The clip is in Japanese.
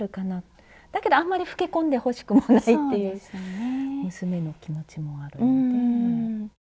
だけどあんまり老け込んでほしくもないっていう娘の気持ちもあるので。